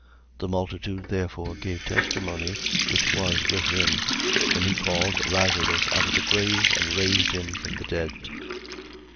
12:17. The multitude therefore gave testimony, which was with him, when he called Lazarus out of the grave and raised him from the dead.